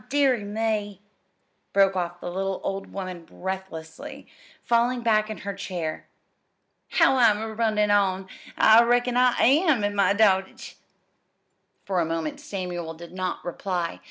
An' dearie me!" broke off the little old woman breathlessly, falling back in her chair. "How I'm runnin' on! I reckon I am in my dotage." For a moment Samuel did not reply.